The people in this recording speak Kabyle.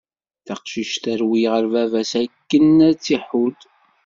Taqcict terwel ɣer baba-s akken ad tt-iḥudd.